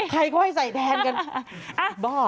ใครก็ให้ใส่แทนกัน